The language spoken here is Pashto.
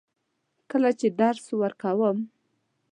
کله چې درس ورکوم.